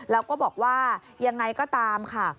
แล้วก็บอกว่ายังไงก็ตามค่ะ